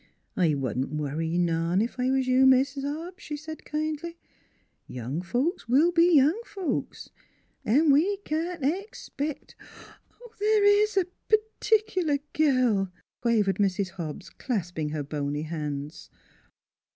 " I wouldn't worry none ef I was you, Mis' Hobbs," she said kindly. " Young folks will be young folks, 'n' we can't expect " "Then there is a p'ticular girl?" quavered Mrs. Hobbs, clasping her bony hands.